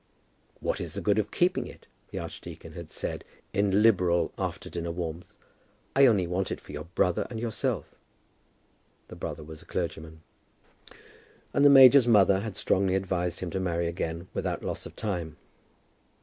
"What is the good of keeping it?" the archdeacon had said in liberal after dinner warmth; "I only want it for your brother and yourself." The brother was a clergyman. And the major's mother had strongly advised him to marry again without loss of time.